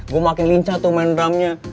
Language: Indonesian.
gue makin lincah tuh main drumnya